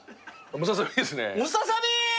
ムササビ！